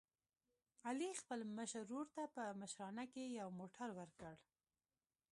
علي خپل مشر ورور ته په مشرانه کې یو موټر ور کړ.